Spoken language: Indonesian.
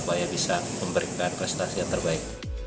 untuk memberikan prestasi terbaik